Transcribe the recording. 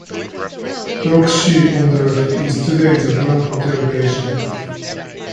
Block C, on the left, is today the Grand Hotel Beijing.